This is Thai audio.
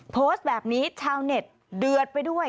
โพสต์แบบนี้ชาวเน็ตเดือดไปด้วย